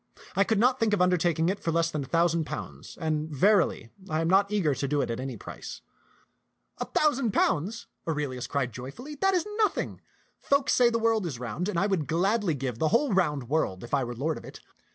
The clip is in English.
I could not think of undertaking it for less than a thou sand pounds ; and verily, I am not eager to do it at any price." "A thousand pounds!" Aurelius cried joyfully, "that is nothing. Folk say the world is round, and I would gladly give the whole round world if I were lord of it.